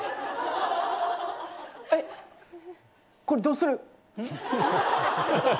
え、これ、どうする？